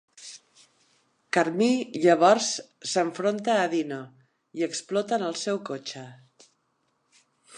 Carmí llavors s'enfronta a Dino i explota en el seu cotxe.